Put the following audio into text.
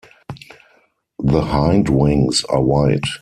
The hindwings are white.